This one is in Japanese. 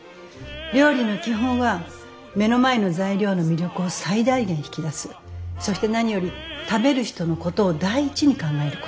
料理の基本は目の前の材料の魅力を最大限引き出すそして何より食べる人のことを第一に考えること。